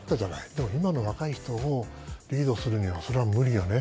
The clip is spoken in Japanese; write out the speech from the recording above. でも今の若い人をリードするには無理よね。